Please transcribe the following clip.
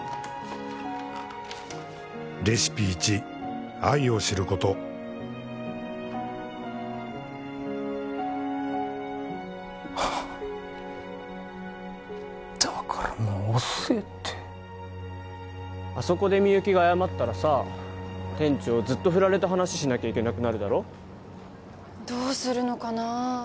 「レシピ１愛を知ること」だからもう遅えってあそこでみゆきが謝ったらさ店長ずっとフラれた話しなきゃいけなくなるだろどうするのかな